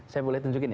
saya boleh tunjukin ya